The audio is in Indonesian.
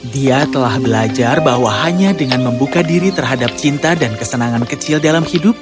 dia telah belajar bahwa hanya dengan membuka diri terhadap cinta dan kesenangan kecil dalam hidup